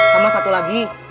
sama satu lagi